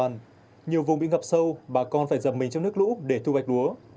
trong đó nhiều vùng bị ngập sâu bà con phải dập mình trong nước lũ để thu hoạch lúa